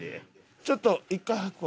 ちょっと一回履くわ。